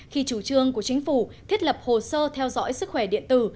khi chủ trương của chính phủ thiết lập hồ sơ theo dõi sức khỏe điện tử